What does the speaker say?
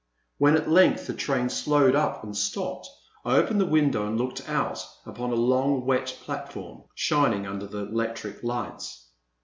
When at length the train slowed up and stopped, I opened the window and looked out upon a long wet platform, shining under the electric lights.